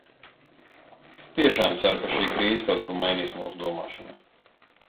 Tiešām ceru, ka šī krīze kaut ko mainīs mūsu domāšanā.